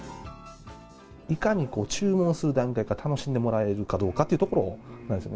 いかに注文する段階から楽しんでもらえるかどうかというところなんですよね。